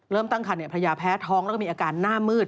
เริ่มตั้งขันเนี่ยภรรยาแพ้ท้องแล้วก็มีอาการหน้ามืด